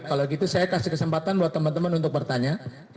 kalau gitu saya kasih kesempatan buat teman teman untuk bertanya